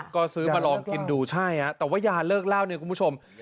ก็ซื้อมาลองกินดูใช่แต่ว่ายาเลิกเล่าเนี่ยคุณผู้ชม